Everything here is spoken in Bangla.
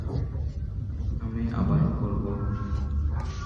আমি আবারও করবো।